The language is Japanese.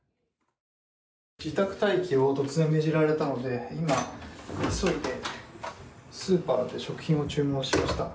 自宅待機を突然、命じられたので今、急いでスーパーで食品を注文しました。